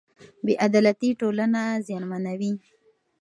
بې عدالتي ټولنه زیانمنوي.